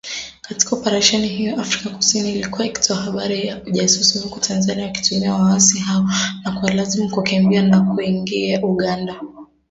Katika Oparesheni hiyo, Afrika kusini ilikuwa ikitoa habari za ujasusi huku Tanzania wakitumia waasi hao na kuwalazimu kukimbia na kuingia Uganda